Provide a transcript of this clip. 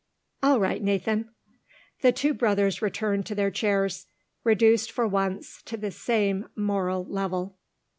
"All right, Nathan." The two brothers returned to their chairs; reduced for once to the same moral level.